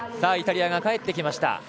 イタリアがかえってきました。